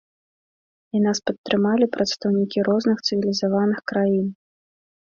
І нас падтрымалі прадстаўнікі розных цывілізаваных краін.